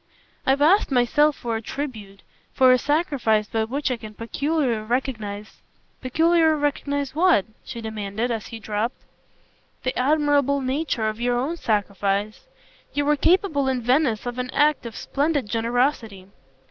"I've asked myself for a tribute, for a sacrifice by which I can peculiarly recognise " "Peculiarly recognise what?" she demanded as he dropped. "The admirable nature of your own sacrifice. You were capable in Venice of an act of splendid generosity."